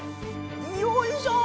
よいしょー！